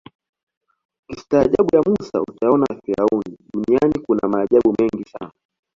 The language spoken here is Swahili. ukistaajabu ya Musa utayaona ya Firauni duniani kuna maajabu mengi sana